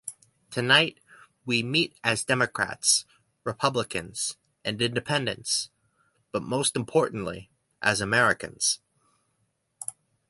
Tonight, we meet as Democrats Republicans and Independents, but most importantly as Americans.